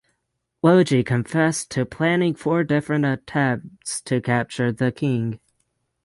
Logie confessed to planning four different attempts to capture the king.